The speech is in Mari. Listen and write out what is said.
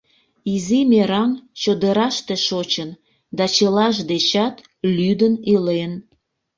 Изи мераҥ чодыраште шочын да чылаж дечат лӱдын илен.